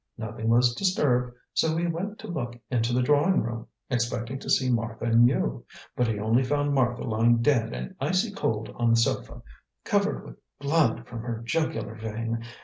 Nothing was disturbed, so he went to look into the drawing room, expecting to see Martha and you. But he only found Martha lying dead and icy cold on the sofa, covered with blood from her jugular vein.